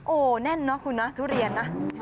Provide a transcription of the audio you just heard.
โอ้โหแน่นเนอะคุณนะทุเรียนนะ